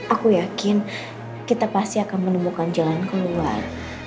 aku yakin kita pasti akan menemukan jalan keluar